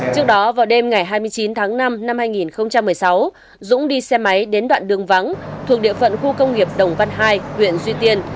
trước đó vào đêm ngày hai mươi chín tháng năm năm hai nghìn một mươi sáu dũng đi xe máy đến đoạn đường vắng thuộc địa phận khu công nghiệp đồng văn hai huyện duy tiên